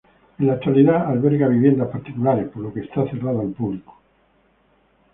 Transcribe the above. En la actualidad alberga viviendas particulares, por lo que está cerrado al público.